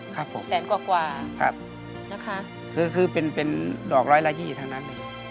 ครับผมครับคือเป็นดอกร้อยละยี่ทั้งนั้น